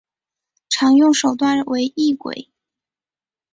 常用手段为异轨。